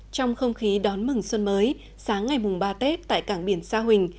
trong không khí đón mừng xuân mới sáng ngày mùng ba tết tại cảng biển sa huỳnh